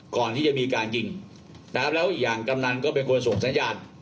ก่อนที่จะมีการยิงนะครับแล้วอีกอย่างกำนันก็เป็นคนส่งสัญญาณ